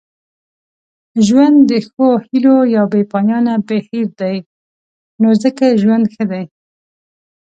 ژوند د ښو هیلو یو بې پایانه بهیر دی نو ځکه ژوند ښه دی.